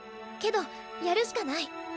けどやるしかない。